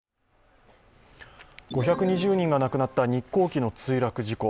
５２０人が亡くなった日航機の墜落事故。